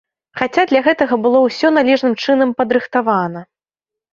Хаця для гэтага было ўсё належным чынам падрыхтавана.